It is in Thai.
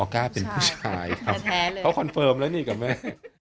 กล้าเป็นผู้ชายครับเขาคอนเฟิร์มแล้วนี่กับแม่